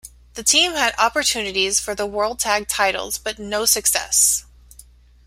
The team had opportunities for the World Tag Titles but no success.